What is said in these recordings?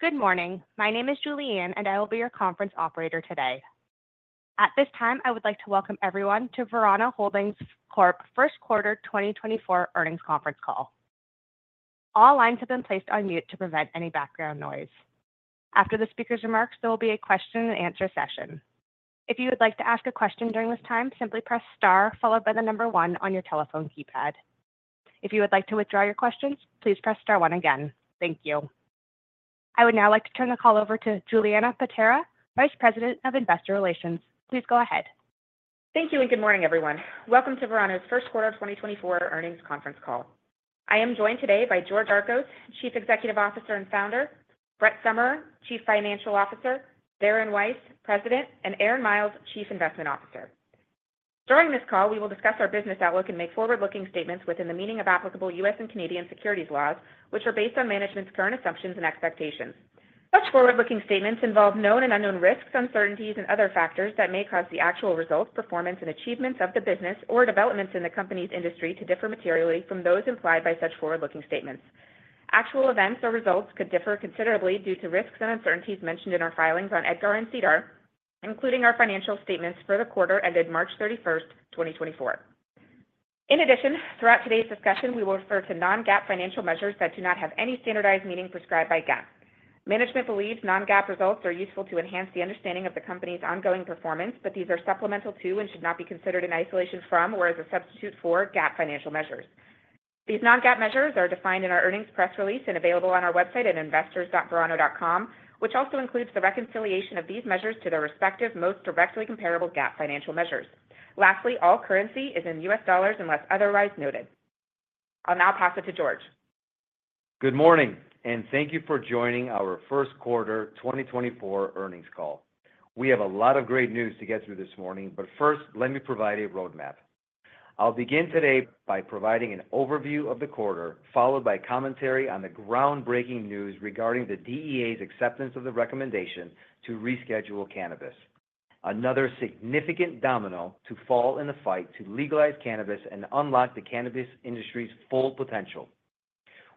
Good morning. My name is Julianne, and I will be your conference operator today. At this time, I would like to welcome everyone to Verano Holdings Corp First Quarter 2024 Earnings Conference Call. All lines have been placed on mute to prevent any background noise. After the speaker's remarks, there will be a question and answer session. If you would like to ask a question during this time, simply press Star followed by the number one on your telephone keypad. If you would like to withdraw your questions, please press Star one again. Thank you. I would now like to turn the call over to Julianna Paterra, Vice President of Investor Relations. Please go ahead. Thank you, and good morning, everyone. Welcome to Verano's First Quarter of 2024 Earnings Conference Call. I am joined today by George Archos, Chief Executive Officer and Founder, Brett Summerer, Chief Financial Officer, Darren Weiss, President, and Aaron Miles, Chief Investment Officer. During this call, we will discuss our business outlook and make forward-looking statements within the meaning of applicable U.S. and Canadian securities laws, which are based on management's current assumptions and expectations. Such forward-looking statements involve known and unknown risks, uncertainties, and other factors that may cause the actual results, performance, and achievements of the business or developments in the company's industry to differ materially from those implied by such forward-looking statements. Actual events or results could differ considerably due to risks and uncertainties mentioned in our filings on Edgar and SEDAR, including our financial statements for the quarter ended March 31, 2024. In addition, throughout today's discussion, we will refer to non-GAAP financial measures that do not have any standardized meaning prescribed by GAAP. Management believes non-GAAP results are useful to enhance the understanding of the company's ongoing performance, but these are supplemental to and should not be considered in isolation from, or as a substitute for GAAP financial measures. These non-GAAP measures are defined in our earnings press release and available on our website at investors.verano.com, which also includes the reconciliation of these measures to their respective, most directly comparable GAAP financial measures. Lastly, all currency is in U.S. dollars unless otherwise noted. I'll now pass it to George. Good morning, and thank you for joining our first quarter 2024 earnings call. We have a lot of great news to get through this morning, but first, let me provide a roadmap. I'll begin today by providing an overview of the quarter, followed by commentary on the groundbreaking news regarding the DEA's acceptance of the recommendation to reschedule cannabis, another significant domino to fall in the fight to legalize cannabis and unlock the cannabis industry's full potential.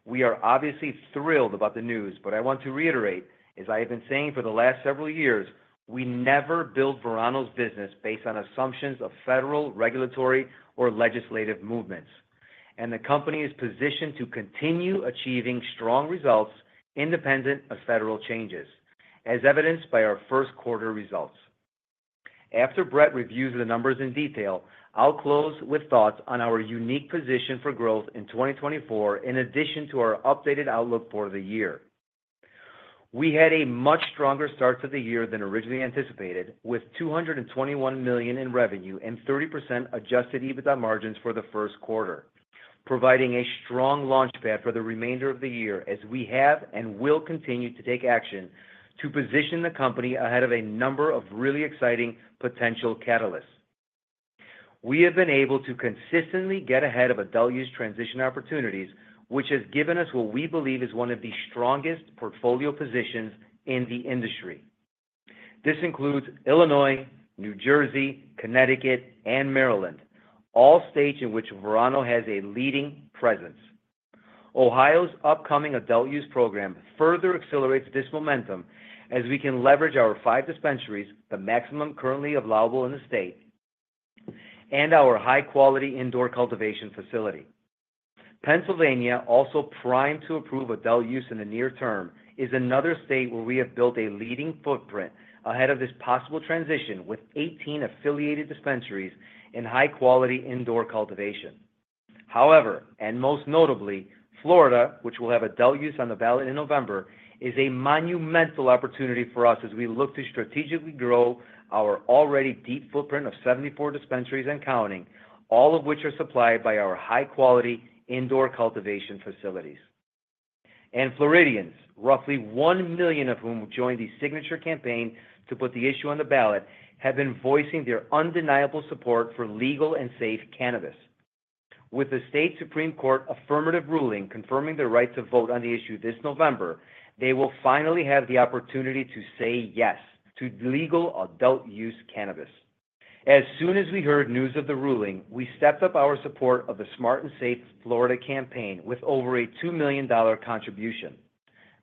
We are obviously thrilled about the news, but I want to reiterate, as I have been saying for the last several years, we never build Verano's business based on assumptions of federal, regulatory, or legislative movements, and the company is positioned to continue achieving strong results independent of federal changes, as evidenced by our first quarter results. After Brett reviews the numbers in detail, I'll close with thoughts on our unique position for growth in 2024, in addition to our updated outlook for the year. We had a much stronger start to the year than originally anticipated, with $221 million in revenue and 30% Adjusted EBITDA margins for the first quarter, providing a strong launchpad for the remainder of the year, as we have and will continue to take action to position the company ahead of a number of really exciting potential catalysts. We have been able to consistently get ahead of adult use transition opportunities, which has given us what we believe is one of the strongest portfolio positions in the industry. This includes Illinois, New Jersey, Connecticut, and Maryland, all states in which Verano has a leading presence. Ohio's upcoming adult use program further accelerates this momentum as we can leverage our 5 dispensaries, the maximum currently allowable in the state, and our high-quality indoor cultivation facility. Pennsylvania, also primed to approve adult use in the near term, is another state where we have built a leading footprint ahead of this possible transition with 18 affiliated dispensaries in high-quality indoor cultivation. However, and most notably, Florida, which will have adult use on the ballot in November, is a monumental opportunity for us as we look to strategically grow our already deep footprint of 74 dispensaries and counting, all of which are supplied by our high-quality indoor cultivation facilities. Floridians, roughly 1 million of whom joined the signature campaign to put the issue on the ballot, have been voicing their undeniable support for legal and safe cannabis. With the state Supreme Court affirmative ruling, confirming the right to vote on the issue this November, they will finally have the opportunity to say yes to legal adult use cannabis. As soon as we heard news of the ruling, we stepped up our support of the Smart & Safe Florida campaign with over a $2 million contribution.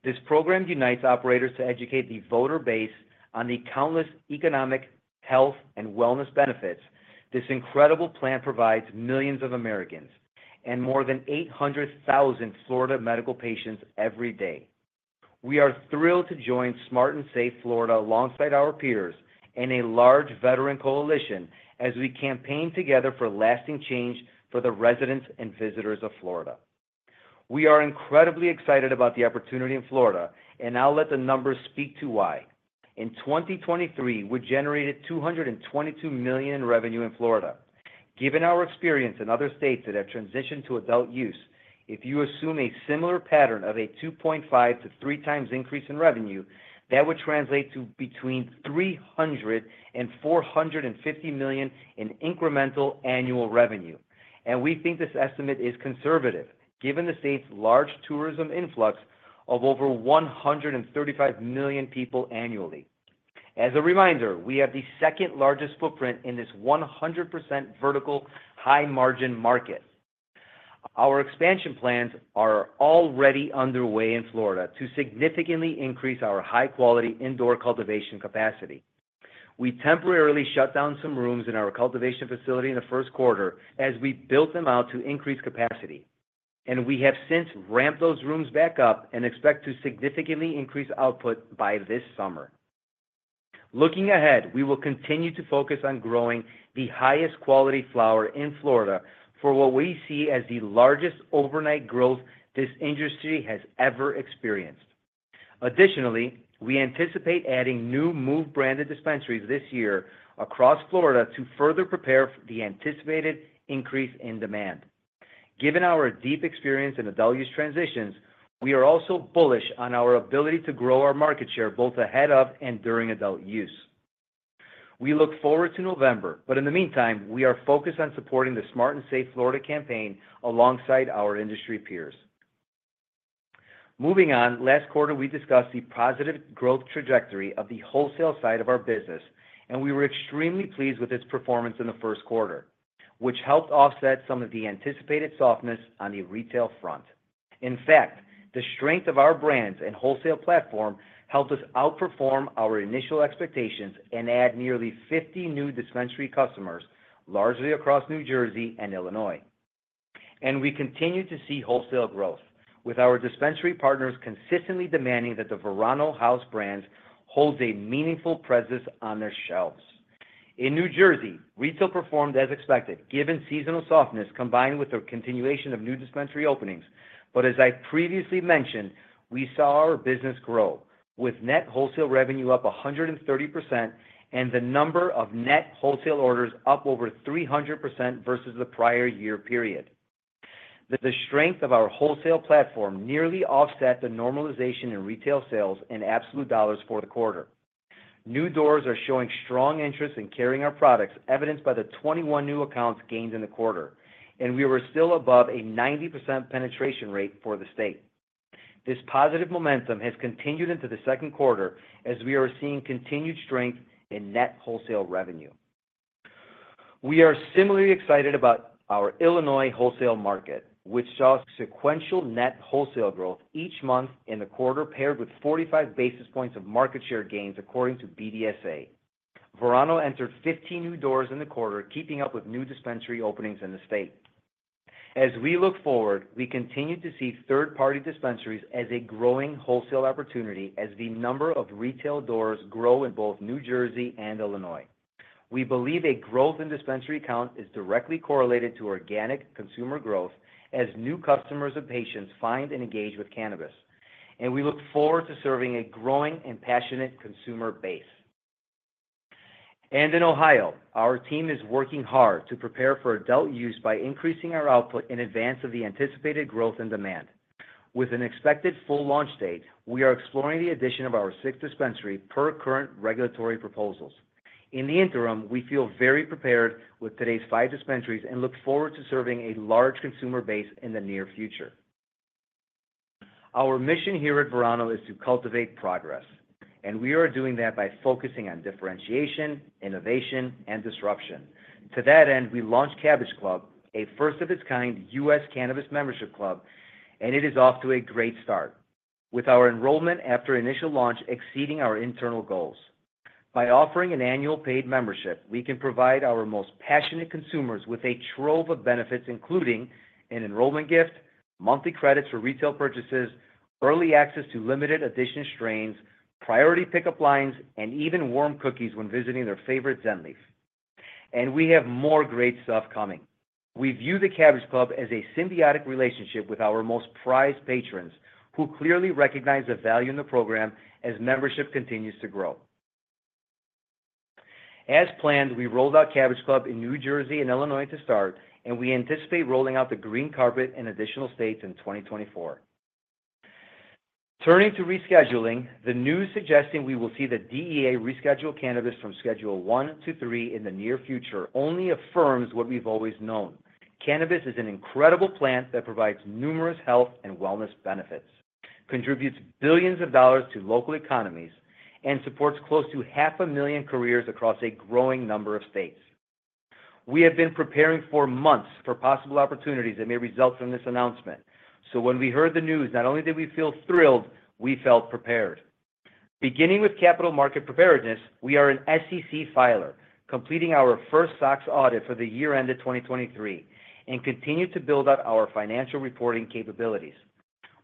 This program unites operators to educate the voter base on the countless economic, health, and wellness benefits. This incredible plan provides millions of Americans and more than 800,000 Florida medical patients every day. We are thrilled to join Smart & Safe Florida alongside our peers and a large veteran coalition as we campaign together for lasting change for the residents and visitors of Florida. We are incredibly excited about the opportunity in Florida, and I'll let the numbers speak to why. In 2023, we generated $222 million in revenue in Florida. Given our experience in other states that have transitioned to adult use, if you assume a similar pattern of a 2.5x-3x increase in revenue, that would translate to between $300 million and $450 million in incremental annual revenue. And we think this estimate is conservative, given the state's large tourism influx of over 135 million people annually. As a reminder, we have the second-largest footprint in this 100% vertical high-margin market.... Our expansion plans are already underway in Florida to significantly increase our high-quality indoor cultivation capacity. We temporarily shut down some rooms in our cultivation facility in the first quarter as we built them out to increase capacity, and we have since ramped those rooms back up and expect to significantly increase output by this summer. Looking ahead, we will continue to focus on growing the highest quality flower in Florida for what we see as the largest overnight growth this industry has ever experienced. Additionally, we anticipate adding new MÜV branded dispensaries this year across Florida to further prepare for the anticipated increase in demand. Given our deep experience in adult use transitions, we are also bullish on our ability to grow our market share, both ahead of and during adult use. We look forward to November, but in the meantime, we are focused on supporting the Smart & Safe Florida campaign alongside our industry peers. Moving on, last quarter, we discussed the positive growth trajectory of the wholesale side of our business, and we were extremely pleased with its performance in the first quarter, which helped offset some of the anticipated softness on the retail front. In fact, the strength of our brands and wholesale platform helped us outperform our initial expectations and add nearly 50 new dispensary customers, largely across New Jersey and Illinois. We continue to see wholesale growth, with our dispensary partners consistently demanding that the Verano house brands holds a meaningful presence on their shelves. In New Jersey, retail performed as expected, given seasonal softness combined with the continuation of new dispensary openings. But as I previously mentioned, we saw our business grow, with net wholesale revenue up 130% and the number of net wholesale orders up over 300% versus the prior year period. The strength of our wholesale platform nearly offset the normalization in retail sales in absolute dollars for the quarter. New doors are showing strong interest in carrying our products, evidenced by the 21 new accounts gained in the quarter, and we were still above a 90% penetration rate for the state. This positive momentum has continued into the second quarter as we are seeing continued strength in net wholesale revenue. We are similarly excited about our Illinois wholesale market, which saw sequential net wholesale growth each month in the quarter, paired with 45 basis points of market share gains, according to BDSA. Verano entered 15 new doors in the quarter, keeping up with new dispensary openings in the state. As we look forward, we continue to see third-party dispensaries as a growing wholesale opportunity as the number of retail doors grow in both New Jersey and Illinois. We believe a growth in dispensary count is directly correlated to organic consumer growth as new customers and patients find and engage with cannabis, and we look forward to serving a growing and passionate consumer base. In Ohio, our team is working hard to prepare for adult use by increasing our output in advance of the anticipated growth and demand. With an expected full launch date, we are exploring the addition of our sixth dispensary per current regulatory proposals. In the interim, we feel very prepared with today's five dispensaries and look forward to serving a large consumer base in the near future. Our mission here at Verano is to cultivate progress, and we are doing that by focusing on differentiation, innovation, and disruption. To that end, we launched Cabbage Club, a first-of-its-kind U.S. cannabis membership club, and it is off to a great start, with our enrollment after initial launch exceeding our internal goals. By offering an annual paid membership, we can provide our most passionate consumers with a trove of benefits, including an enrollment gift, monthly credits for retail purchases, early access to limited edition strains, priority pickup lines, and even warm cookies when visiting their favorite Zen Leaf. We have more great stuff coming. We view the Cabbage Club as a symbiotic relationship with our most prized patrons, who clearly recognize the value in the program as membership continues to grow. As planned, we rolled out Cabbage Club in New Jersey and Illinois to start, and we anticipate rolling out the green carpet in additional states in 2024. Turning to rescheduling, the news suggesting we will see the DEA reschedule cannabis from Schedule I to III in the near future only affirms what we've always known. Cannabis is an incredible plant that provides numerous health and wellness benefits, contributes billions of dollars to local economies, and supports close to half a million careers across a growing number of states. We have been preparing for months for possible opportunities that may result from this announcement. So when we heard the news, not only did we feel thrilled, we felt prepared. Beginning with capital market preparedness, we are an SEC filer, completing our first SOX audit for the year end of 2023, and continue to build out our financial reporting capabilities.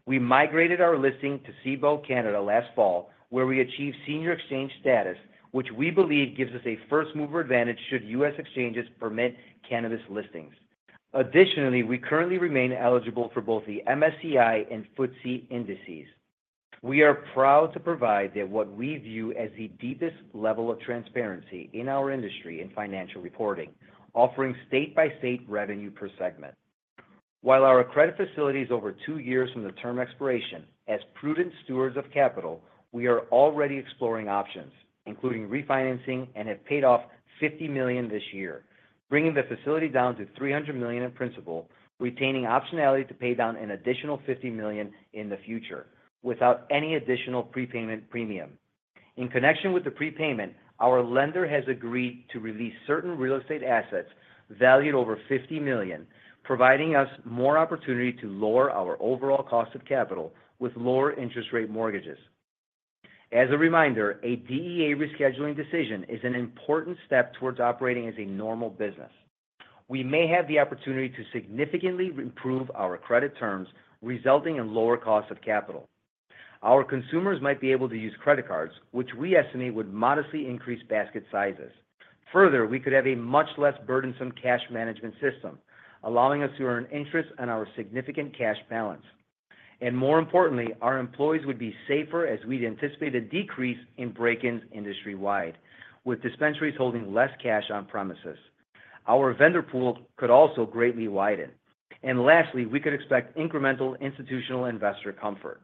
We migrated our listing to Cboe Canada last fall, where we achieved senior exchange status, which we believe gives us a first-mover advantage should US exchanges permit cannabis listings. Additionally, we currently remain eligible for both the MSCI and FTSE indices. We are proud to provide the, what we view as the deepest level of transparency in our industry in financial reporting, offering state-by-state revenue per segment. While our credit facility is over two years from the term expiration, as prudent stewards of capital, we are already exploring options, including refinancing and have paid off $50 million this year, bringing the facility down to $300 million in principal, retaining optionality to pay down an additional $50 million in the future without any additional prepayment premium. In connection with the prepayment, our lender has agreed to release certain real estate assets valued over $50 million, providing us more opportunity to lower our overall cost of capital with lower interest rate mortgages. As a reminder, a DEA rescheduling decision is an important step towards operating as a normal business. We may have the opportunity to significantly improve our credit terms, resulting in lower costs of capital. Our consumers might be able to use credit cards, which we estimate would modestly increase basket sizes. Further, we could have a much less burdensome cash management system, allowing us to earn interest on our significant cash balance. And more importantly, our employees would be safer as we'd anticipate a decrease in break-ins industry-wide, with dispensaries holding less cash on premises. Our vendor pool could also greatly widen. And lastly, we could expect incremental institutional investor comfort.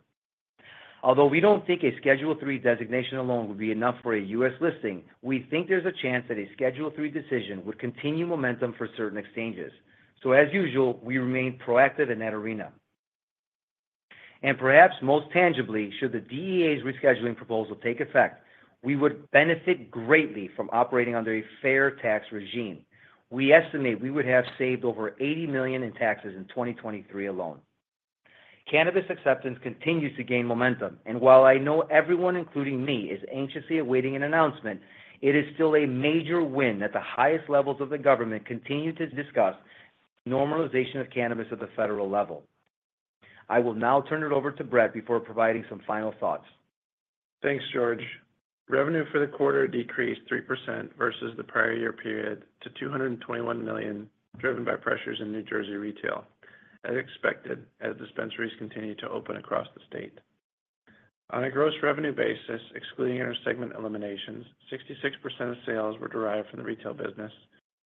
Although we don't think a Schedule III designation alone would be enough for a U.S. listing, we think there's a chance that a Schedule III decision would continue momentum for certain exchanges. So as usual, we remain proactive in that arena. And perhaps most tangibly, should the DEA's rescheduling proposal take effect, we would benefit greatly from operating under a fair tax regime. We estimate we would have saved over $80 million in taxes in 2023 alone. Cannabis acceptance continues to gain momentum, and while I know everyone, including me, is anxiously awaiting an announcement, it is still a major win that the highest levels of the government continue to discuss normalization of cannabis at the federal level. I will now turn it over to Brett before providing some final thoughts. Thanks, George. Revenue for the quarter decreased 3% versus the prior year period to $221 million, driven by pressures in New Jersey retail, as expected, as dispensaries continued to open across the state. On a gross revenue basis, excluding intersegment eliminations, 66% of sales were derived from the retail business,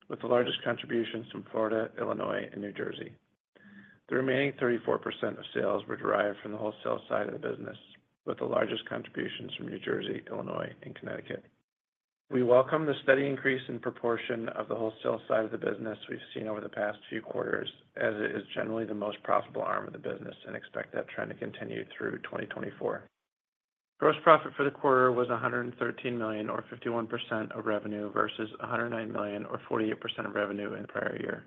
with the largest contributions from Florida, Illinois, and New Jersey. The remaining 34% of sales were derived from the wholesale side of the business, with the largest contributions from New Jersey, Illinois, and Connecticut. We welcome the steady increase in proportion of the wholesale side of the business we've seen over the past few quarters, as it is generally the most profitable arm of the business, and expect that trend to continue through 2024. Gross profit for the quarter was $113 million, or 51% of revenue, versus $109 million, or 48% of revenue in the prior year.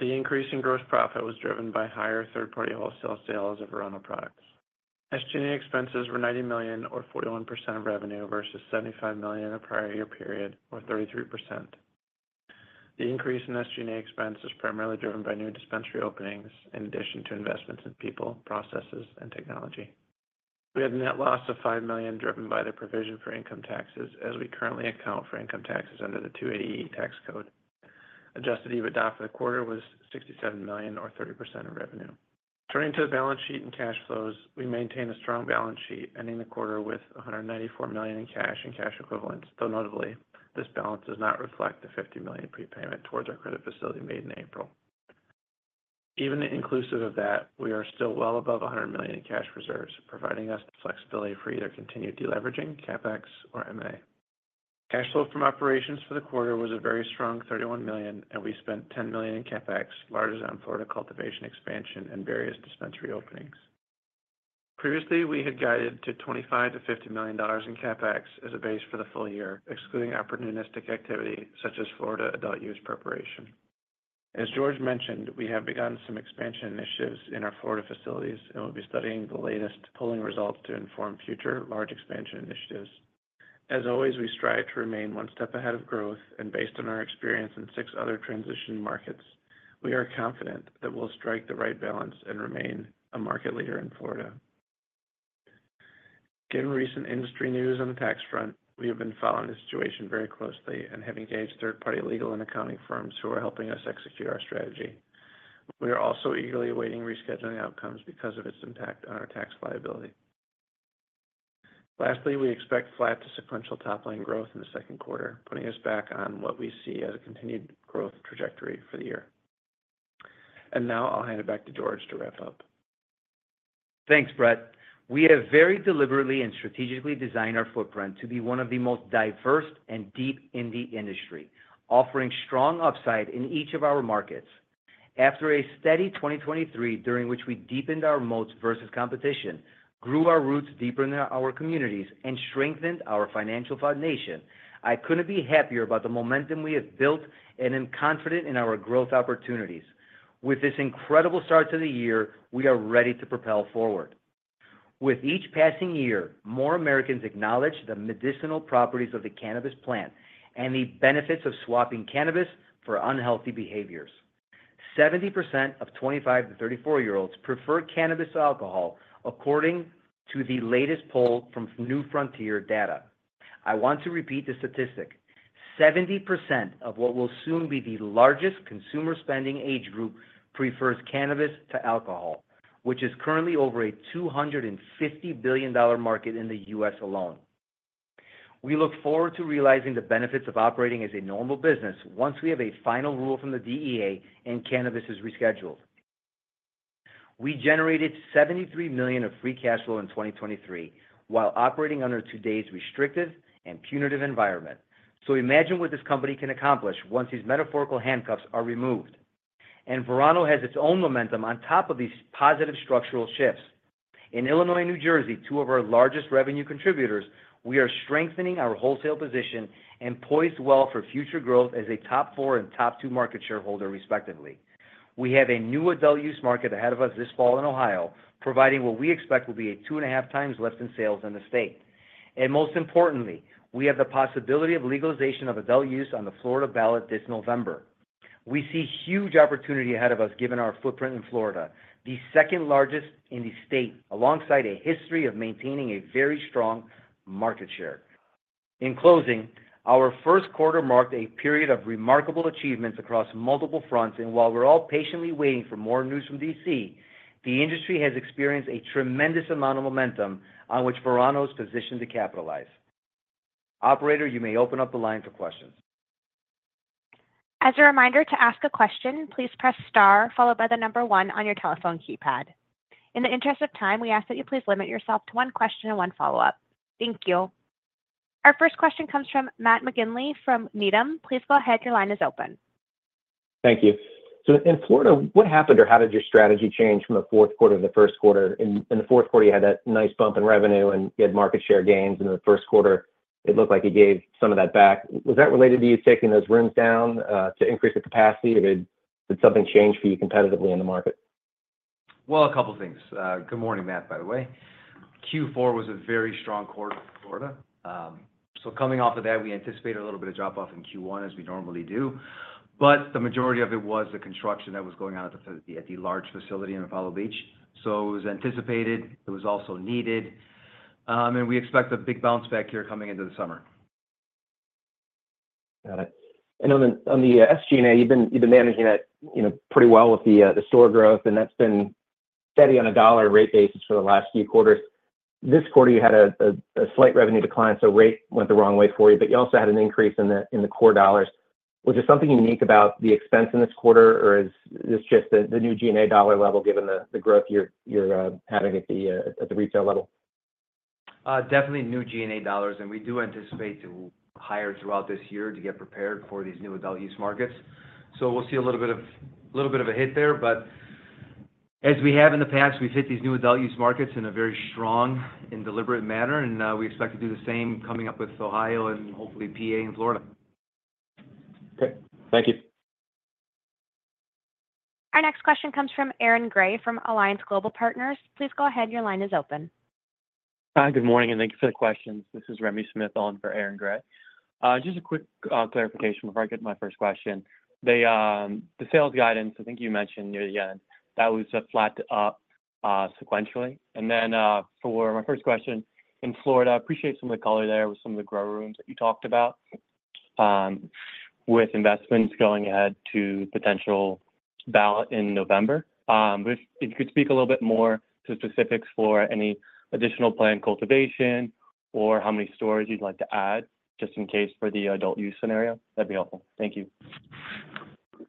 The increase in gross profit was driven by higher third-party wholesale sales of Verano products. SG&A expenses were $90 million, or 41% of revenue, versus $75 million in the prior year period, or 33%. The increase in SG&A expense was primarily driven by new dispensary openings, in addition to investments in people, processes, and technology. We had a net loss of $5 million, driven by the provision for income taxes, as we currently account for income taxes under the 280E tax code. Adjusted EBITDA for the quarter was $67 million, or 30% of revenue. Turning to the balance sheet and cash flows, we maintain a strong balance sheet, ending the quarter with $194 million in cash and cash equivalents, though notably, this balance does not reflect the $50 million prepayment towards our credit facility made in April. Even inclusive of that, we are still well above $100 million in cash reserves, providing us the flexibility for either continued deleveraging, CapEx or M&A. Cash flow from operations for the quarter was a very strong $31 million, and we spent $10 million in CapEx, largely on Florida cultivation expansion and various dispensary openings. Previously, we had guided to $25 million-$50 million in CapEx as a base for the full year, excluding opportunistic activity such as Florida adult use preparation. As George mentioned, we have begun some expansion initiatives in our Florida facilities, and we'll be studying the latest polling results to inform future large expansion initiatives. As always, we strive to remain one step ahead of growth, and based on our experience in six other transition markets, we are confident that we'll strike the right balance and remain a market leader in Florida. Given recent industry news on the tax front, we have been following the situation very closely and have engaged third-party legal and accounting firms who are helping us execute our strategy. We are also eagerly awaiting rescheduling outcomes because of its impact on our tax liability. Lastly, we expect flat to sequential top-line growth in the second quarter, putting us back on what we see as a continued growth trajectory for the year. Now I'll hand it back to George to wrap up. Thanks, Brett. We have very deliberately and strategically designed our footprint to be one of the most diverse and deep in the industry, offering strong upside in each of our markets. After a steady 2023, during which we deepened our moats versus competition, grew our roots deeper into our communities, and strengthened our financial foundation, I couldn't be happier about the momentum we have built and am confident in our growth opportunities. With this incredible start to the year, we are ready to propel forward. With each passing year, more Americans acknowledge the medicinal properties of the cannabis plant and the benefits of swapping cannabis for unhealthy behaviors. 70% of 25- to 34-year-olds prefer cannabis to alcohol, according to the latest poll from New Frontier Data. I want to repeat the statistic: 70% of what will soon be the largest consumer spending age group prefers cannabis to alcohol, which is currently over a $250 billion market in the U.S. alone. We look forward to realizing the benefits of operating as a normal business once we have a final rule from the DEA and cannabis is rescheduled. We generated $73 million of free cash flow in 2023 while operating under today's restrictive and punitive environment. So imagine what this company can accomplish once these metaphorical handcuffs are removed.... and Verano has its own momentum on top of these positive structural shifts. In Illinois and New Jersey, two of our largest revenue contributors, we are strengthening our wholesale position and poised well for future growth as a top four and top two market shareholder, respectively. We have a new adult use market ahead of us this fall in Ohio, providing what we expect will be a 2.5x lift in sales in the state. Most importantly, we have the possibility of legalization of adult use on the Florida ballot this November. We see huge opportunity ahead of us, given our footprint in Florida, the second largest in the state, alongside a history of maintaining a very strong market share. In closing, our first quarter marked a period of remarkable achievements across multiple fronts, and while we're all patiently waiting for more news from D.C., the industry has experienced a tremendous amount of momentum on which Verano is positioned to capitalize. Operator, you may open up the line for questions. As a reminder, to ask a question, please press star followed by the number one on your telephone keypad. In the interest of time, we ask that you please limit yourself to one question and one follow-up. Thank you. Our first question comes from Matt McGinley from Needham. Please go ahead. Your line is open. Thank you. So in Florida, what happened or how did your strategy change from the fourth quarter to the first quarter? In the fourth quarter, you had that nice bump in revenue and you had market share gains. In the first quarter, it looked like you gave some of that back. Was that related to you taking those rooms down to increase the capacity, or did something change for you competitively in the market? Well, a couple things. Good morning, Matt, by the way. Q4 was a very strong quarter for Florida. So coming off of that, we anticipated a little bit of drop off in Q1 as we normally do, but the majority of it was the construction that was going on at the large facility in Apollo Beach. So it was anticipated, it was also needed, and we expect a big bounce back here coming into the summer. Got it. And on the SG&A, you've been managing that, you know, pretty well with the store growth, and that's been steady on a dollar and rate basis for the last few quarters. This quarter, you had a slight revenue decline, so rate went the wrong way for you, but you also had an increase in the core dollars. Was there something unique about the expense in this quarter, or is this just the new G&A dollar level, given the growth you're having at the retail level? Definitely new G&A dollars, and we do anticipate to hire throughout this year to get prepared for these new adult use markets. So we'll see a little bit of, little bit of a hit there, but as we have in the past, we've hit these new adult use markets in a very strong and deliberate manner, and, we expect to do the same coming up with Ohio and hopefully PA and Florida. Okay. Thank you. Our next question comes from Aaron Grey, from Alliance Global Partners. Please go ahead. Your line is open. Hi, good morning, and thank you for the questions. This is Remi Smith on for Aaron Grey. Just a quick clarification before I get to my first question. The sales guidance, I think you mentioned near the end, that was flat sequentially. And then, for my first question, in Florida, appreciate some of the color there with some of the grow rooms that you talked about, with investments going ahead to potential ballot in November. But if you could speak a little bit more to the specifics for any additional planned cultivation or how many stores you'd like to add, just in case for the adult use scenario, that'd be helpful. Thank you.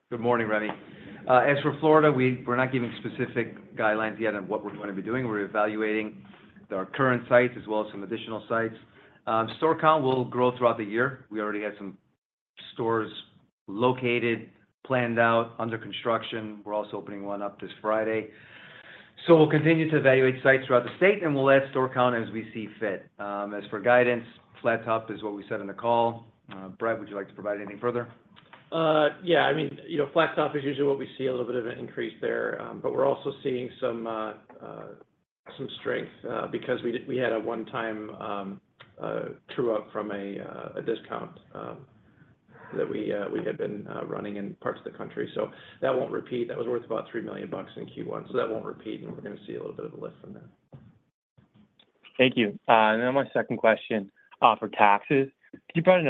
Good morning, Remi. As for Florida, we're not giving specific guidelines yet on what we're going to be doing. We're evaluating our current sites as well as some additional sites. Store count will grow throughout the year. We already have some stores located, planned out, under construction. We're also opening one up this Friday. So we'll continue to evaluate sites throughout the state, and we'll add store count as we see fit. As for guidance, flat top is what we said on the call. Brett, would you like to provide any further? Yeah, I mean, you know, flat top is usually what we see, a little bit of an increase there, but we're also seeing some some strength because we had a one-time true up from a a discount that we we had been running in parts of the country. So that won't repeat. That was worth about $3 million in Q1, so that won't repeat, and we're gonna see a little bit of a lift from that. Thank you. And then my second question, for taxes. Can you provide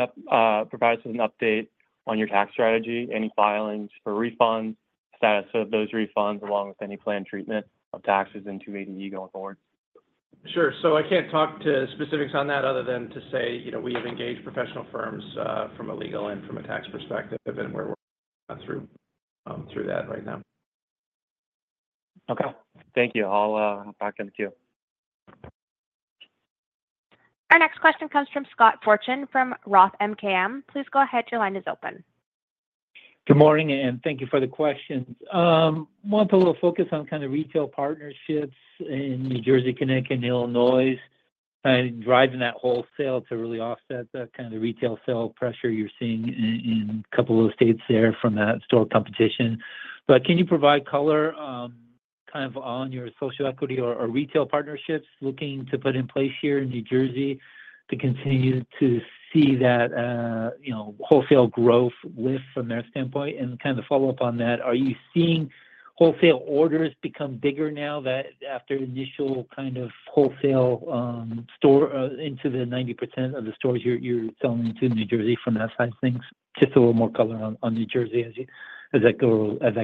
us with an update on your tax strategy, any filings for refunds, status of those refunds, along with any planned treatment of taxes in 2024 going forward? Sure. So I can't talk to specifics on that other than to say, you know, we have engaged professional firms from a legal and from a tax perspective, and we're working through that right now. Okay. Thank you. I'll back in the queue. Our next question comes from Scott Fortune, from ROTH MKM. Please go ahead. Your line is open. Good morning, and thank you for the questions. I want to focus on kind of retail partnerships in New Jersey, Connecticut, and Illinois, and driving that wholesale to really offset the kind of retail sale pressure you're seeing in a couple of states there from that store competition. But can you provide color, kind of on your social equity or retail partnerships looking to put in place here in New Jersey to continue to see that, you know, wholesale growth lift from their standpoint? And kind of follow up on that, are you seeing wholesale orders become bigger now that after initial kind of wholesale, store, into the 90% of the stores you're selling to New Jersey from that side of things? Just a little more color on New Jersey as that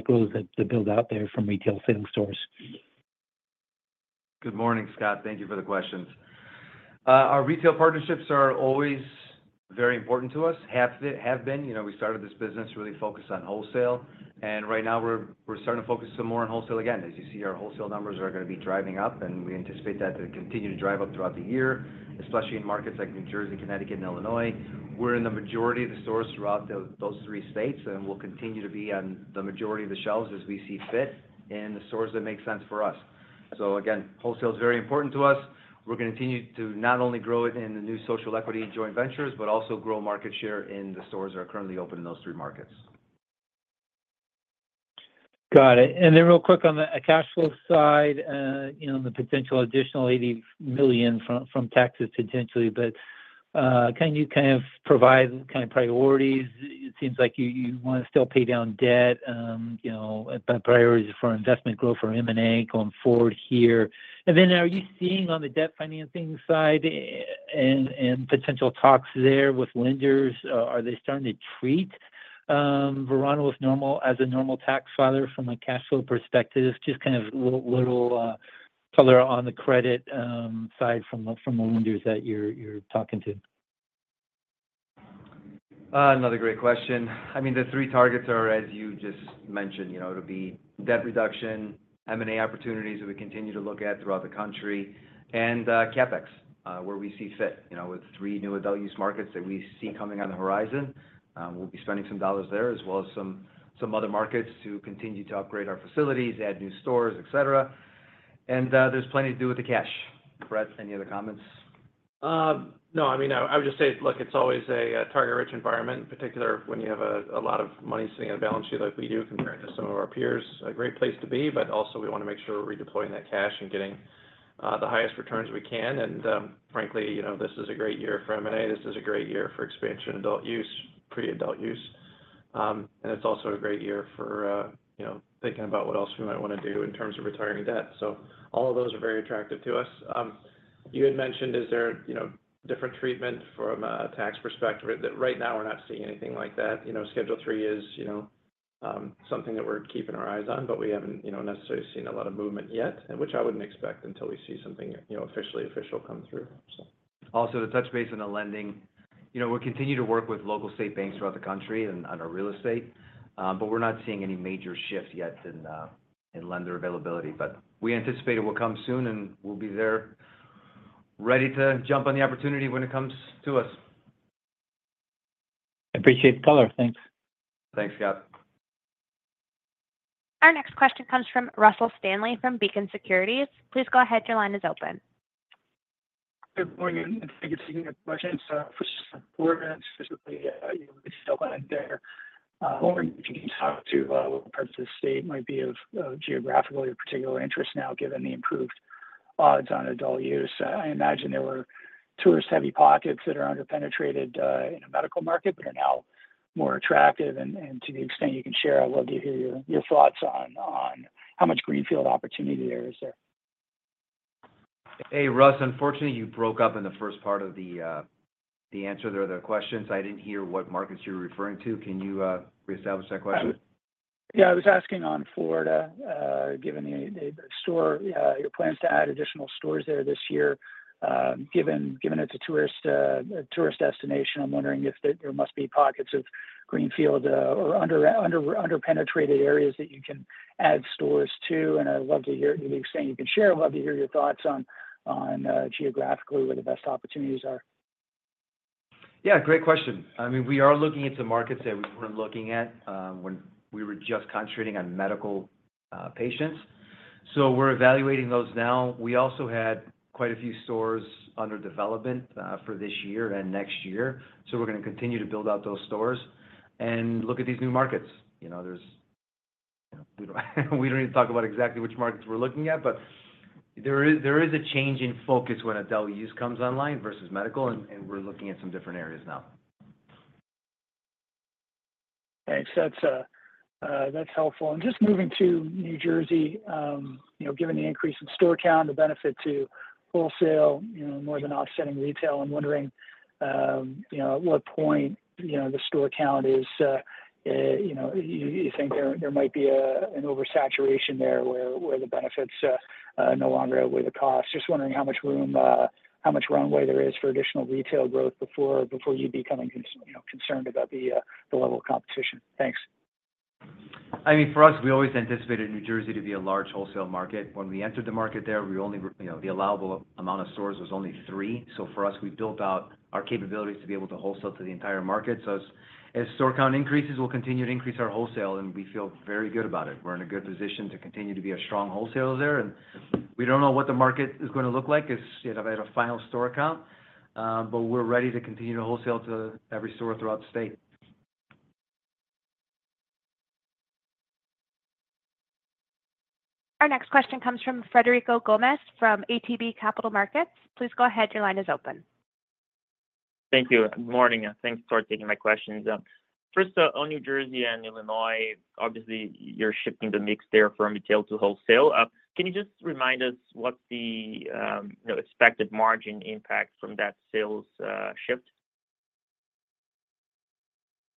grows, the build-out there from retail selling stores. Good morning, Scott. Thank you for the questions. Our retail partnerships are always very important to us, have been. You know, we started this business really focused on wholesale, and right now we're starting to focus some more on wholesale again. As you see, our wholesale numbers are gonna be driving up, and we anticipate that to continue to drive up throughout the year, especially in markets like New Jersey, Connecticut, and Illinois. We're in the majority of the stores throughout those three states, and we'll continue to be on the majority of the shelves as we see fit in the stores that make sense for us. So again, wholesale is very important to us. We're gonna continue to not only grow it in the new social equity and joint ventures, but also grow market share in the stores that are currently open in those three markets. Got it. And then real quick on the cash flow side, you know, the potential additional $80 million from taxes potentially, but can you kind of provide kind of priorities? It seems like you wanna still pay down debt, you know, but priorities for investment growth or M&A going forward here. And then are you seeing on the debt financing side and potential talks there with lenders, are they starting to treat Verano as a normal tax filer from a cash flow perspective? Just kind of little color on the credit side from the lenders that you're talking to. Another great question. I mean, the three targets are, as you just mentioned, you know, it'll be debt reduction, M&A opportunities that we continue to look at throughout the country, and, CapEx, where we see fit. You know, with three new adult use markets that we see coming on the horizon, we'll be spending some dollars there, as well as some, some other markets to continue to upgrade our facilities, add new stores, et cetera. And, there's plenty to do with the cash. Brett, any other comments? No. I mean, I would just say, look, it's always a target-rich environment, in particular, when you have a lot of money sitting on a balance sheet like we do compared to some of our peers. A great place to be, but also we wanna make sure we're redeploying that cash and getting the highest returns we can. And, frankly, you know, this is a great year for M&A. This is a great year for expansion, adult use, pre-adult use. And it's also a great year for, you know, thinking about what else we might wanna do in terms of retiring debt. So all of those are very attractive to us. You had mentioned, is there, you know, different treatment from a tax perspective? Right now, we're not seeing anything like that. You know, Schedule III is, you know, something that we're keeping our eyes on, but we haven't, you know, necessarily seen a lot of movement yet, and which I wouldn't expect until we see something, you know, officially official come through, so. Also, to touch base on the lending, you know, we'll continue to work with local state banks throughout the country and on our real estate, but we're not seeing any major shifts yet in lender availability. But we anticipate it will come soon, and we'll be there, ready to jump on the opportunity when it comes to us. Appreciate the color. Thanks. Thanks, Scott. Our next question comes from Russell Stanley, from Beacon Securities. Please go ahead. Your line is open. Good morning, and thank you for taking my questions. For some more minutes, specifically, you know, still out there, wondering if you can talk to parts of the state might be of geographically of particular interest now, given the improved odds on adult use. I imagine there were tourist-heavy pockets that are under-penetrated in the medical market, but are now more attractive. To the extent you can share, I'd love to hear your thoughts on how much greenfield opportunity there is there. Hey, Russ, unfortunately, you broke up in the first part of the, the answer there, the questions. I didn't hear what markets you were referring to. Can you reestablish that question? Yeah, I was asking on Florida, given the stores, your plans to add additional stores there this year. Given it's a tourist destination, I'm wondering if there must be pockets of greenfield or under-penetrated areas that you can add stores to. And I'd love to hear, to the extent you can share, I'd love to hear your thoughts on geographically where the best opportunities are. Yeah, great question. I mean, we are looking at some markets that we weren't looking at, when we were just concentrating on medical patients. So we're evaluating those now. We also had quite a few stores under development, for this year and next year, so we're gonna continue to build out those stores and look at these new markets. You know, there's, you know, we don't need to talk about exactly which markets we're looking at, but there is a change in focus when adult use comes online versus medical, and we're looking at some different areas now. Thanks. That's, that's helpful. And just moving to New Jersey, you know, given the increase in store count, the benefit to wholesale, you know, more than offsetting retail, I'm wondering, you know, at what point, you know, the store count is, you know, you think there might be an oversaturation there, where the benefits no longer outweigh the costs? Just wondering how much room, how much runway there is for additional retail growth before you becoming, you know, concerned about the level of competition. Thanks. I mean, for us, we always anticipated New Jersey to be a large wholesale market. When we entered the market there, we only, you know, the allowable amount of stores was only three. So for us, we built out our capabilities to be able to wholesale to the entire market. So as store count increases, we'll continue to increase our wholesale, and we feel very good about it. We're in a good position to continue to be a strong wholesaler there, and we don't know what the market is gonna look like as at a final store count, but we're ready to continue to wholesale to every store throughout the state. Our next question comes from Frederico Gomes, from ATB Capital Markets. Please go ahead. Your line is open. Thank you. Good morning, and thanks for taking my questions. First, on New Jersey and Illinois, obviously, you're shifting the mix there from retail to wholesale. Can you just remind us what the, you know, expected margin impact from that sales, shift?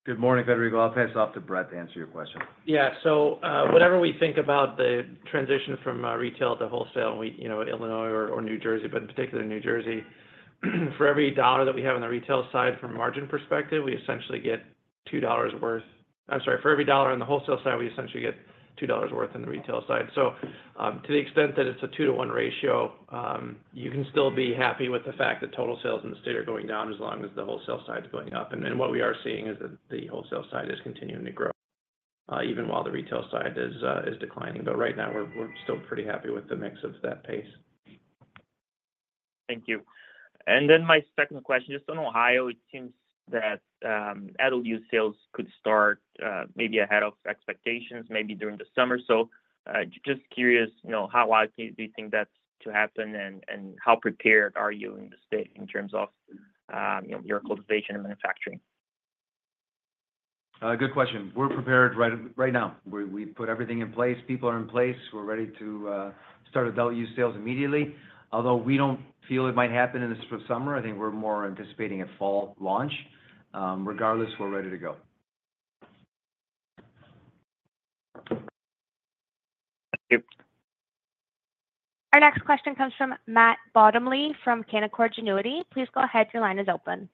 Good morning, Frederico. I'll pass it off to Brett to answer your question. Yeah. So, whatever we think about the transition from retail to wholesale, we, you know, Illinois or New Jersey, but in particular, New Jersey, for every $1 that we have on the retail side from a margin perspective, we essentially get $2 worth—I'm sorry, for every $1 on the wholesale side, we essentially get $2 worth on the retail side. So, to the extent that it's a 2-to-1 ratio, you can still be happy with the fact that total sales in the state are going down as long as the wholesale side is going up. And then what we are seeing is that the wholesale side is continuing to grow, even while the retail side is declining. But right now, we're still pretty happy with the mix of that pace. Thank you. And then my second question, just on Ohio, it seems that adult use sales could start maybe ahead of expectations, maybe during the summer. So, just curious, you know, how likely do you think that's to happen, and how prepared are you in the state in terms of you know, your cultivation and manufacturing? Good question. We're prepared right, right now. We, we've put everything in place. People are in place. We're ready to start adult use sales immediately. Although we don't feel it might happen in the summer, I think we're more anticipating a fall launch. Regardless, we're ready to go. Thank you. Our next question comes from Matt Bottomley, from Canaccord Genuity. Please go ahead. Your line is open.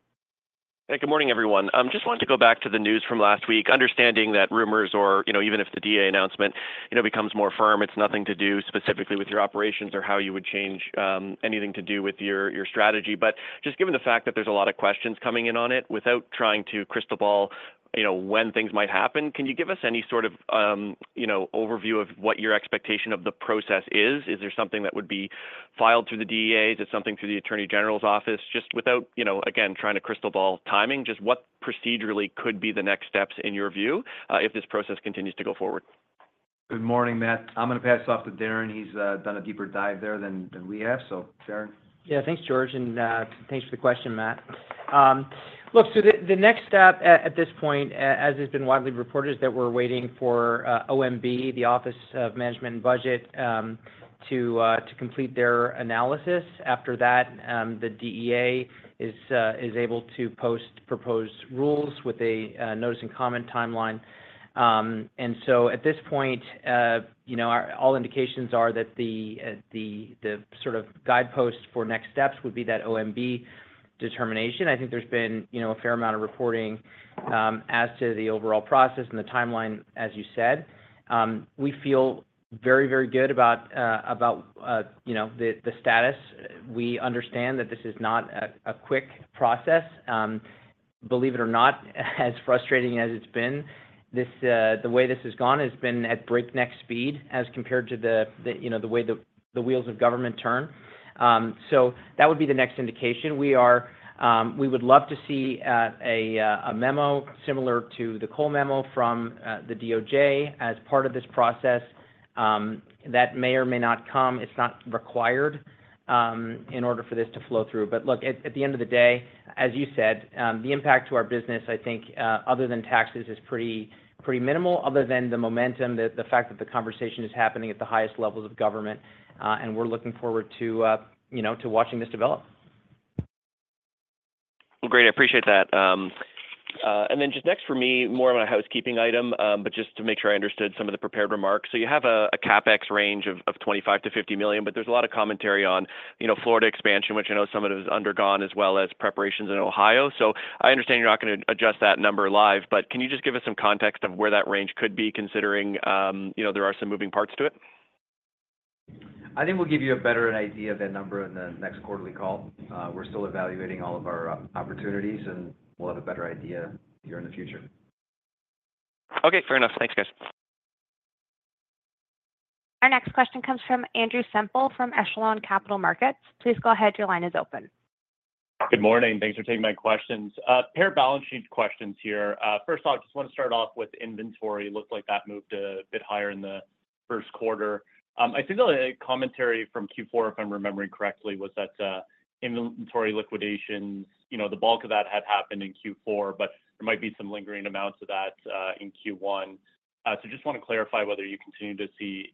Hey, good morning, everyone. Just wanted to go back to the news from last week, understanding that rumors or, you know, even if the DEA announcement, you know, becomes more firm, it's nothing to do specifically with your operations or how you would change anything to do with your, your strategy. But just given the fact that there's a lot of questions coming in on it, without trying to crystal ball, you know, when things might happen, can you give us any sort of, you know, overview of what your expectation of the process is? Is there something that would be filed through the DEA? Is it something through the Attorney General's office? Just without, you know, again, trying to crystal ball timing, just what procedurally could be the next steps in your view, if this process continues to go forward? Good morning, Matt. I'm going to pass off to Darren. He's done a deeper dive there than we have. So, Darren. Yeah, thanks, George, and, thanks for the question, Matt. Look, so the next step at this point, as has been widely reported, is that we're waiting for OMB, the Office of Management and Budget, to complete their analysis. After that, the DEA is able to post proposed rules with a notice and comment timeline. And so at this point, you know, all indications are that the sort of guidepost for next steps would be that OMB determination. I think there's been, you know, a fair amount of reporting as to the overall process and the timeline, as you said. We feel very, very good about, you know, the status. We understand that this is not a quick process. Believe it or not, as frustrating as it's been, this, the way this has gone has been at breakneck speed as compared to the, the, you know, the way the, the wheels of government turn. So that would be the next indication. We are, we would love to see, a, a memo similar to the Cole Memo from, the DOJ as part of this process. That may or may not come. It's not required, in order for this to flow through. But look, at, at the end of the day, as you said, the impact to our business, I think, other than taxes, is pretty, pretty minimal, other than the momentum, the, the fact that the conversation is happening at the highest levels of government, and we're looking forward to, you know, to watching this develop. Well, great. I appreciate that. And then just next for me, more of a housekeeping item, but just to make sure I understood some of the prepared remarks. So you have a CapEx range of $25 million-$50 million, but there's a lot of commentary on, you know, Florida expansion, which I know some of it has undergone, as well as preparations in Ohio. So I understand you're not gonna adjust that number live, but can you just give us some context of where that range could be, considering, you know, there are some moving parts to it? I think we'll give you a better idea of that number in the next quarterly call. We're still evaluating all of our opportunities, and we'll have a better idea here in the future. Okay, fair enough. Thanks, guys. Our next question comes from Andrew Semple, from Echelon Capital Markets. Please go ahead. Your line is open. Good morning. Thanks for taking my questions. A pair of balance sheet questions here. First off, just want to start off with inventory. Looks like that moved a bit higher in the first quarter. I think the commentary from Q4, if I'm remembering correctly, was that, inventory liquidations, you know, the bulk of that had happened in Q4, but there might be some lingering amounts of that, in Q1. So just want to clarify whether you continue to see,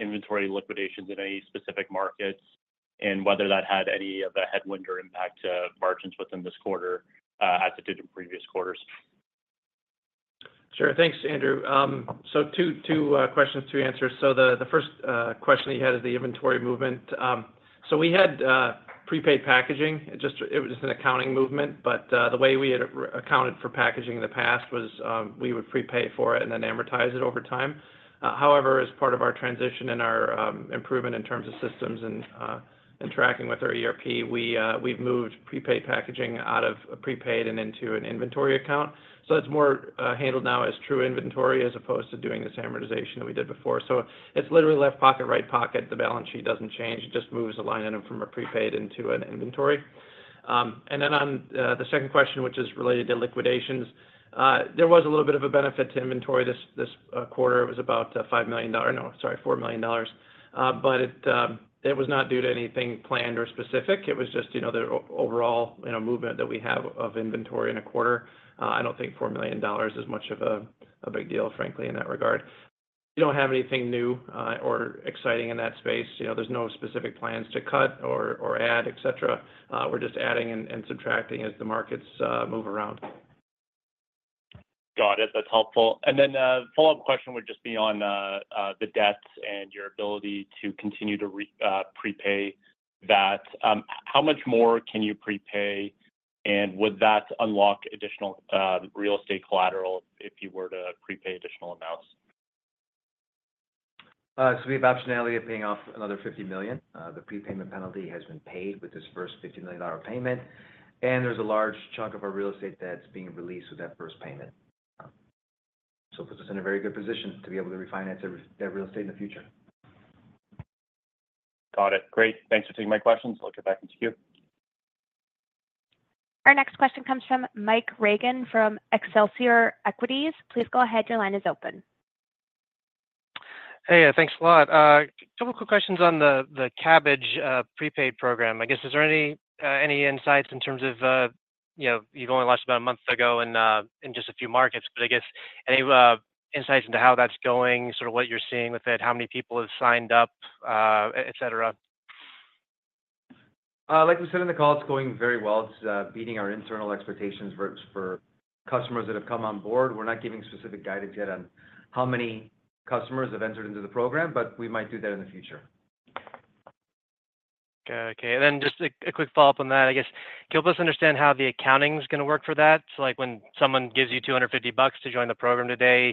inventory liquidations in any specific markets and whether that had any of a headwind or impact to margins within this quarter, as it did in previous quarters. Sure. Thanks, Andrew. So two questions, two answers. So the first question that you had is the inventory movement. So we had prepaid packaging. It was just an accounting movement, but the way we had accounted for packaging in the past was, we would prepay for it and then amortize it over time. However, as part of our transition and our improvement in terms of systems and tracking with our ERP, we've moved prepaid packaging out of prepaid and into an inventory account. So it's more handled now as true inventory, as opposed to doing this amortization that we did before. So it's literally left pocket, right pocket. The balance sheet doesn't change. It just moves a line item from a prepaid into an inventory. And then on the second question, which is related to liquidations, there was a little bit of a benefit to inventory this quarter. It was about $5 million. No, sorry, $4 million. But it was not due to anything planned or specific. It was just, you know, the overall, you know, movement that we have of inventory in a quarter. I don't think $4 million is much of a big deal, frankly, in that regard. We don't have anything new or exciting in that space. You know, there's no specific plans to cut or add, etc. We're just adding and subtracting as the markets move around. Got it. That's helpful. And then a follow-up question would just be on the debts and your ability to continue to prepay that. How much more can you prepay, and would that unlock additional real estate collateral if you were to prepay additional amounts? So we have optionality of paying off another $50 million. The prepayment penalty has been paid with this first $50 million payment, and there's a large chunk of our real estate that's being released with that first payment. So it puts us in a very good position to be able to refinance that real estate in the future. Got it. Great. Thanks for taking my questions. I'll get back into queue. Our next question comes from Mike Regan from Excelsior Equities. Please go ahead. Your line is open. Hey, thanks a lot. Couple quick questions on the Cabbage prepaid program. I guess, is there any insights in terms of, you know, you've only launched about a month ago and in just a few markets, but I guess, any insights into how that's going, sort of what you're seeing with it, how many people have signed up, etc.? Like we said in the call, it's going very well. It's beating our internal expectations for customers that have come on board. We're not giving specific guidance yet on how many customers have entered into the program, but we might do that in the future. Okay. And then just a quick follow-up on that, I guess. Can you help us understand how the accounting is gonna work for that? So, like, when someone gives you $250 to join the program today,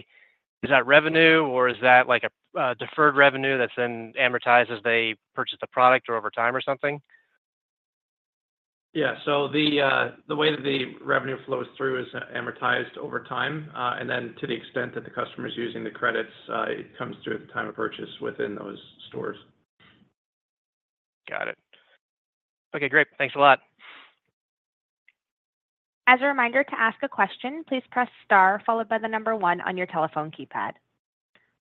is that revenue, or is that, like, a deferred revenue that's then amortized as they purchase a product or over time or something? Yeah. So the way that the revenue flows through is amortized over time. And then to the extent that the customer is using the credits, it comes through at the time of purchase within those stores. Got it. Okay, great. Thanks a lot. As a reminder, to ask a question, please press star followed by the number one on your telephone keypad.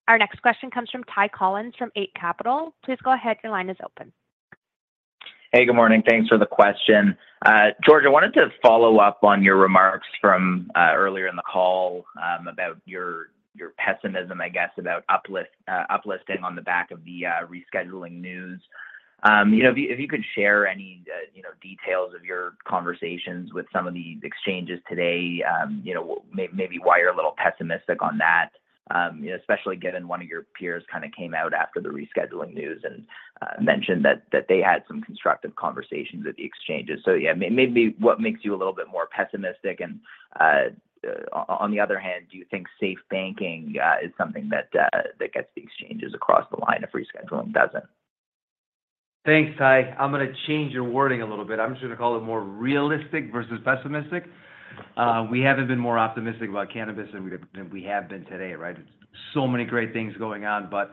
Our next question comes from Ty Collin, from Eight Capital. Please go ahead. Your line is open. Hey, good morning. Thanks for the question. George, I wanted to follow up on your remarks from earlier in the call about your pessimism, I guess, about uplisting on the back of the rescheduling news. You know, if you could share any details of your conversations with some of the exchanges today, you know, maybe why you're a little pessimistic on that. Especially given one of your peers kind of came out after the rescheduling news and mentioned that they had some constructive conversations with the exchanges. So yeah, maybe what makes you a little bit more pessimistic, and on the other hand, do you think SAFE Banking is something that gets the exchanges across the line if rescheduling doesn't? Thanks, Ty. I'm gonna change your wording a little bit. I'm just gonna call it more realistic versus pessimistic. We haven't been more optimistic about cannabis than we, than we have been today, right? So many great things going on, but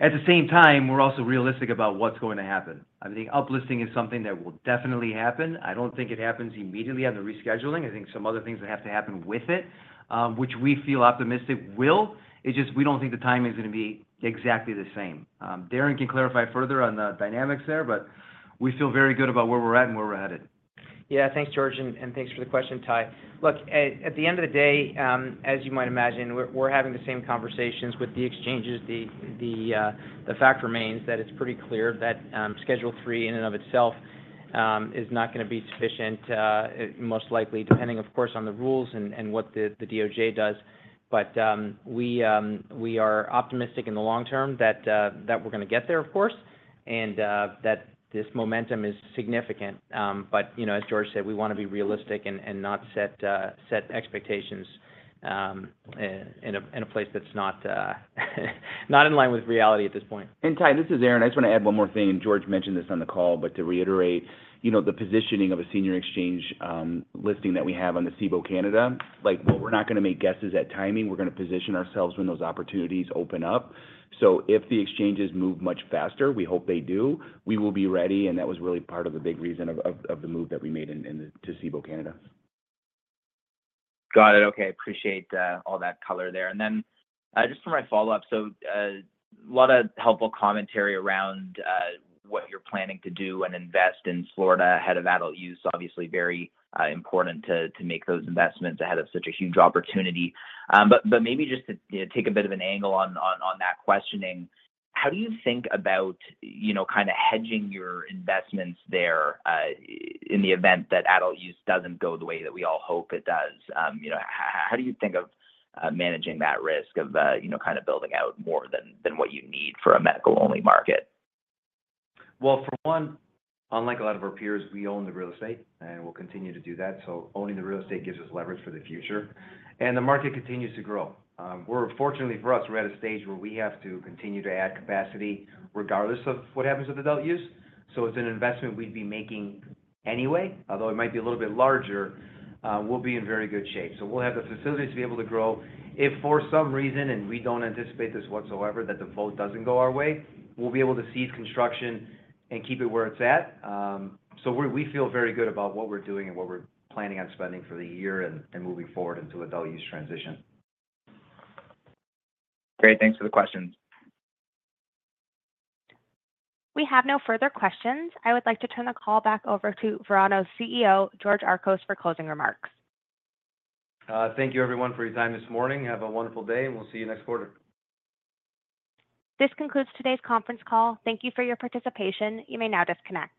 at the same time, we're also realistic about what's going to happen. I think uplisting is something that will definitely happen. I don't think it happens immediately on the rescheduling. I think some other things that have to happen with it, which we feel optimistic will. It's just we don't think the timing is gonna be exactly the same. Darren can clarify further on the dynamics there, but we feel very good about where we're at and where we're headed. Yeah. Thanks, George, and thanks for the question, Ty. Look, at the end of the day, as you might imagine, we're having the same conversations with the exchanges. The fact remains that it's pretty clear that Schedule III, in and of itself, is not gonna be sufficient, most likely, depending, of course, on the rules and what the DOJ does. But we are optimistic in the long term that we're gonna get there, of course, and that this momentum is significant. But, you know, as George said, we wanna be realistic and not set expectations in a place that's not in line with reality at this point. Ty, this is Aaron. I just want to add one more thing, and George mentioned this on the call, but to reiterate, you know, the positioning of a senior exchange listing that we have on the Cboe Canada, like, we're not gonna make guesses at timing. We're gonna position ourselves when those opportunities open up. So if the exchanges move much faster, we hope they do, we will be ready, and that was really part of the big reason of the move that we made in the to Cboe Canada. Got it. Okay. Appreciate all that color there. And then just for my follow-up, so a lot of helpful commentary around what you're planning to do and invest in Florida ahead of adult use. Obviously, very important to make those investments ahead of such a huge opportunity. But maybe just to, you know, take a bit of an angle on that questioning, how do you think about, you know, kind of hedging your investments there in the event that adult use doesn't go the way that we all hope it does? You know, how do you think of managing that risk of, you know, kind of building out more than what you need for a medical-only market? Well, for one, unlike a lot of our peers, we own the real estate, and we'll continue to do that. So owning the real estate gives us leverage for the future, and the market continues to grow. We're fortunately for us, we're at a stage where we have to continue to add capacity regardless of what happens with adult use. So it's an investment we'd be making anyway. Although it might be a little bit larger, we'll be in very good shape. So we'll have the facilities to be able to grow. If for some reason, and we don't anticipate this whatsoever, that the vote doesn't go our way, we'll be able to cease construction and keep it where it's at. So we feel very good about what we're doing and what we're planning on spending for the year and moving forward into adult use transition. Great, thanks for the question. We have no further questions. I would like to turn the call back over to Verano's CEO, George Archos, for closing remarks. Thank you everyone for your time this morning. Have a wonderful day, and we'll see you next quarter. This concludes today's conference call. Thank you for your participation. You may now disconnect.